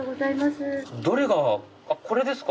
どれが、あっ、これですか。